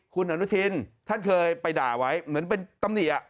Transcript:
คุณอนุทินท่านเคยไปด่าไว้เหมือนเป็นตำหนิ